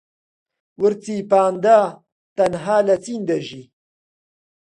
ورچی پاندا تەنها لە چین دەژی.